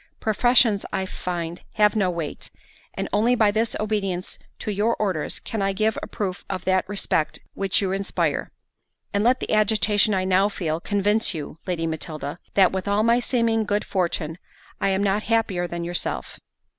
Professions, I find, have no weight, and only by this obedience to your orders, can I give a proof of that respect which you inspire;—and let the agitation I now feel, convince you, Lady Matilda, that, with all my seeming good fortune, I am not happier than yourself."